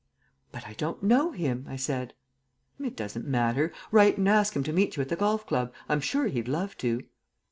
"But I don't know him," I said. "It doesn't matter. Write and ask him to meet you at the golf club. I'm sure he'd love to."